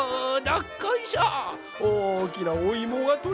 おおきなおいもがとれたぞい！